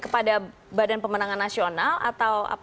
kepada bpn atau